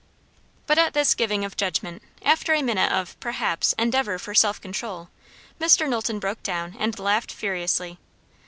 But at this giving of judgment, after a minute of, perhaps, endeavour for self control, Mr. Knowlton broke down and laughed furiously.